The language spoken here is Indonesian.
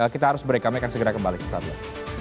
saya harus break kami akan segera kembali sesaatnya